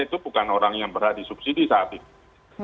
itu bukan orang yang berhak di subsidi saat ini